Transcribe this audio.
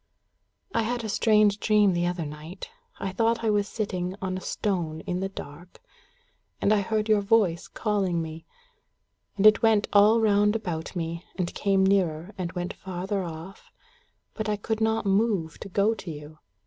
"I had a strange dream the other night. I thought I was sitting on a stone in the dark. And I heard your voice calling me. And it went all round about me, and came nearer, and went farther off, but I could not move to go to you.